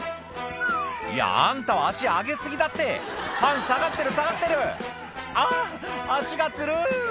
いやあんたは足上げ過ぎだってパン下がってる下がってる「あぁ足がつる」